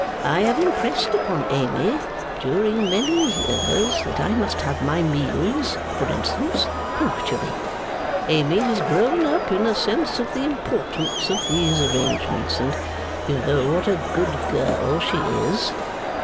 I have impressed upon Amy during many years, that I must have my meals (for instance) punctually. Amy has grown up in a sense of the importance of these arrangements, and you know what a good girl she is.